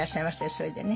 それでね。